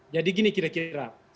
jadi gini kira kira